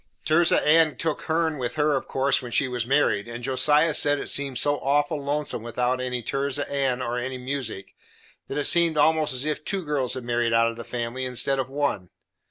Tirzah Ann took hern with her of course when she was married, and Josiah said it seemed so awful lonesome without any Tirzah Ann or any music, that it seemed almost as if two girls had married out of the family instead of one.